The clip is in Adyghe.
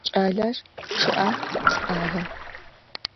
Кӏалэр чъыӏэ лӏагъэ.